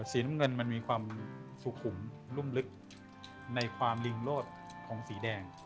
สีน้ำเงินมันมีความสุขุมรุ่มลึกในความลิงโลดของสีแดง